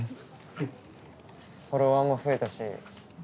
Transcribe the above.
フォロワーも増えたし。